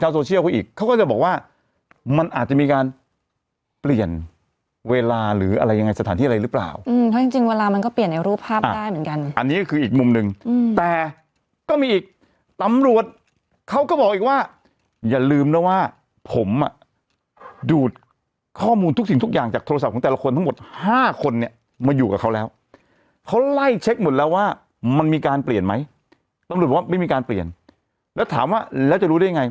สฐานที่อะไรรึเปล่าอืมเพราะจริงจริงเวลามันก็เปลี่ยนในรูปภาพได้เหมือนกันอันนี้ก็คืออีกมุมหนึ่งอืมแต่ก็มีอีกตำรวจเขาก็บอกอีกว่าอย่าลืมนะว่าผมอ่ะดูดข้อมูลทุกสิ่งทุกอย่างจากโทรศัพท์ของแต่ละคนทั้งหมดห้าคนเนี้ยมาอยู่กับเขาแล้วเขาไล่เช็คหมดแล้วว่ามันมีการเปลี่ยนไหมตำรวจ